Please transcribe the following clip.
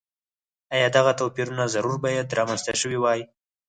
ایا دغه توپیرونه ضرور باید رامنځته شوي وای.